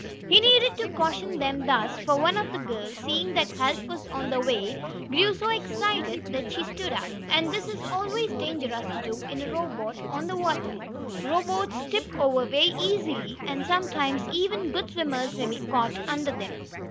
He needed to caution them thus, for one of the girls, seeing that help was on the way, grew so excited that she stood up, and this is always dangerous to do in a rowboat on the water. Rowboats tip over very easily, and sometimes even good swimmers may be caught under them.